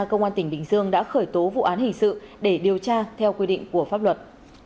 công an tỉnh bình dương đã khởi tố vụ án hình sự để điều tra theo quy định của pháp luật